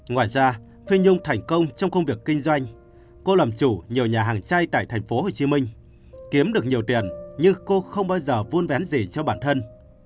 ngoài ra phi nhung thành công trong công việc kinh doanh cô làm chủ nhiều nhà hàng chay tại thành phố hồ chí minh kiếm được nhiều tiền nhưng cô không bao giờ vuôn vén gì cho bản thân